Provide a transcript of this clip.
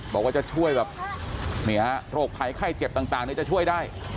บอกว่าจะช่วยแบบโรคภัยไข้เจ็บต่างจะช่วยได้